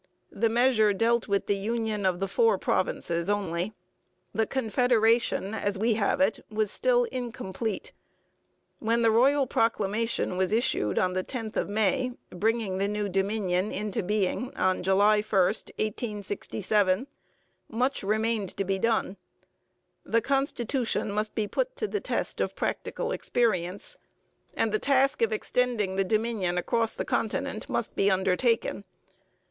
The measure dealt with the union of the four provinces only. The Confederation, as we have it, was still incomplete. When the royal proclamation was issued on the 10th of May bringing the new Dominion into being on July 1, 1867, much remained to be done. The constitution must be put to the test of practical experience; and the task of extending the Dominion across the continent must be undertaken.